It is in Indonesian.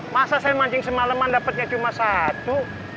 masa saya mancing semaleman dapetnya cuma satu